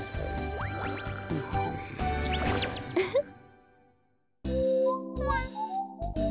ウフッ。